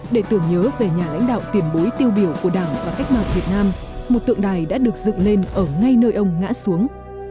để tưởng nhớ về nhà lãnh đạo tiền bối tiêu biểu của đảng và cách mạng việt nam một tượng đài đã được dựng lên ở ngay nơi ông ngã xuống